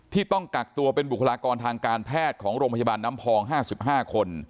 ต้องกักตัวเป็นบุคลากรทางการแพทย์ของโรงพยาบาลน้ำพอง๕๕คน